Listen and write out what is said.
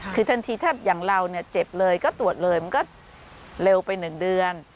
คือทันทีถ้าอย่างเราเนี่ยเจ็บเลยก็ตรวจเลยมันก็เร็วไป๑เดือน